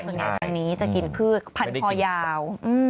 ส่วนใหญ่ทำงานที่นี้จะกินพืชพันพอยาว